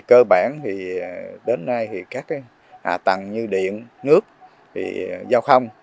cơ bản đến nay các hạ tầng như điện nước giao không